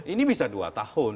ini bisa dua tahun